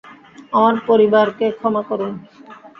আমার পরিবারকে ক্ষমা করুন।